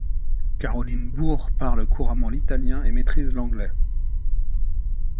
Caroline Bourg parle couramment l'italien et maîtrise l'anglais.